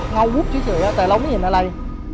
วุบเฉยแต่เราไม่เห็นอะไร